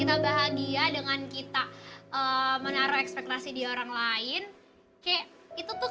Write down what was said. kita bahagia dengan kita menaruh ekspektasi di orang lain kek itu tuh